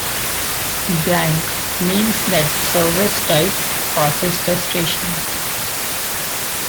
Blank means that the service type passes the station.